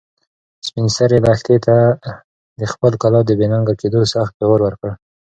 سپین سرې لښتې ته د خپلې کلا د بې ننګه کېدو سخت پېغور ورکړ.